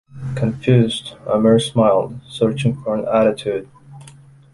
Confused, Omer smiled, searching for an attitude.